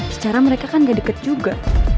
secara mereka kan gak deket juga